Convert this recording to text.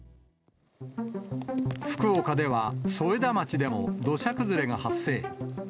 福岡では添田町でも土砂崩れが発生。